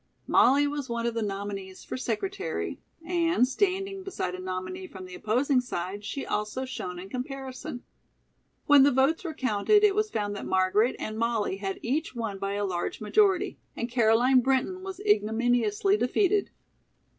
Molly was one of the nominees for secretary and, standing beside a nominee from the opposing side, she also shone in comparison. When the votes were counted, it was found that Margaret and Molly had each won by a large majority, and Caroline Brinton was ignominiously defeated.